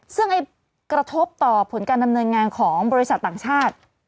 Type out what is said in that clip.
ซึ่งกระทบต่อผลการดำเนินงานของบริษัทต่างชาติ